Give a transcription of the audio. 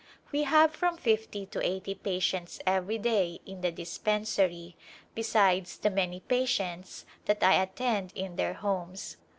We have from fifty to eighty patients every day in the dispensary be sides the many patients that I attend in their homes.